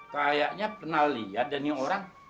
kayaknya pernah liat dan ngeorang